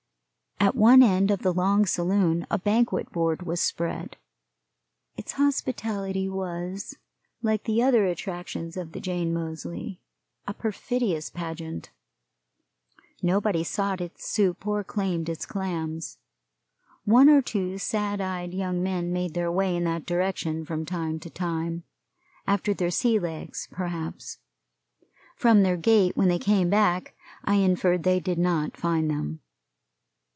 At one end of the long saloon a banquet board was spread. Its hospitality was, like the other attractions of the Jane Moseley, a perfidious pageant. Nobody sought its soup or claimed its clams. One or two sad eyed young men made their way in that direction from time to time after their sea legs, perhaps. From their gait when they came back I inferred they did not find them.